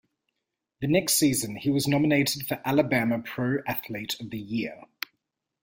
The next season, he was nominated for Alabama Pro Athlete of the Year.